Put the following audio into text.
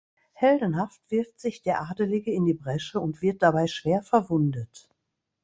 Heldenhaft wirft sich der Adelige in die Bresche und wird dabei schwer verwundet.